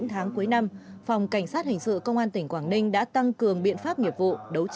tại sao lại đánh